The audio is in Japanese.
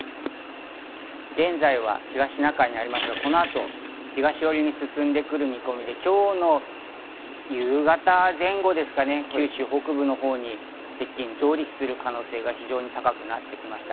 現在は東シナ海にありますが、この後、東寄りに進んでくる見込みで、今日の夕方前後ですかね、九州北部のほうに接近、上陸する可能性が非常に高くなってきました。